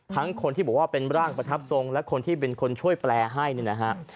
คนที่บอกว่าเป็นร่างประทับทรงและคนที่เป็นคนช่วยแปลให้เนี่ยนะฮะ